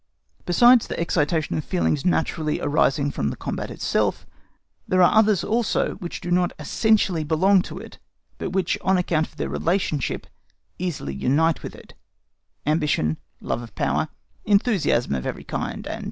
Besides that excitation of feelings naturally arising from the combat itself, there are others also which do not essentially belong to it, but which, on account of their relationship, easily unite with it—ambition, love of power, enthusiasm of every kind, &c.